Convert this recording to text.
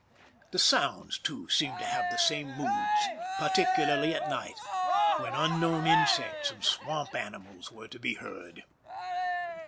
The sounds, too, seemed to have the same moods, particularly at night, when unknown insects and swamp animals were to be heard.